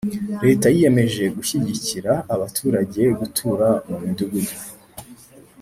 leta yiyemeje gushyigikira abaturage gutura mu midugudu.